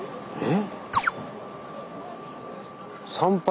えっ！